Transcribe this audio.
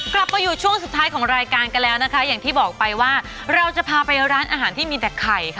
กลับมาอยู่ช่วงสุดท้ายของรายการกันแล้วนะคะอย่างที่บอกไปว่าเราจะพาไปร้านอาหารที่มีแต่ไข่ค่ะ